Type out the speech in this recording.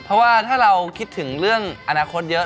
เพราะว่าถ้าเราคิดถึงเรื่องอนาคตเยอะ